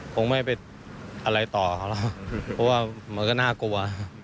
คงไม่ไปอะไรต่อเขาแล้วเพราะว่ามันก็น่ากลัว